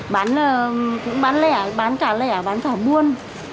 bán cũng bán lẻ bán cả lẻ bán cả buôn